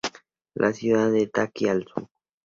La ciudad de Taki, al sur.